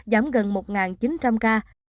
giảm gần một chín trăm linh ca